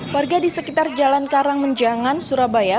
warga di sekitar jalan karang menjangan surabaya